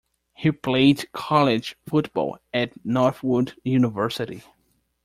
He played college football at Northwood University.